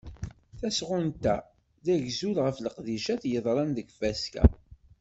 Tasɣunt-a d agzul ɣef leqdicat yeḍran deg tfaska.